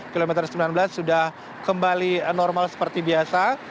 kilometer sembilan belas sudah kembali normal seperti biasa